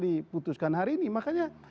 diputuskan hari ini makanya